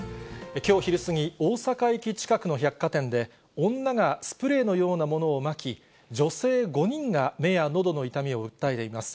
きょう昼過ぎ、大阪駅近くの百貨店で、女がスプレーのようなものをまき、女性５人が目やのどの痛みを訴えています。